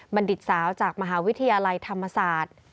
ดิตสาวจากมหาวิทยาลัยธรรมศาสตร์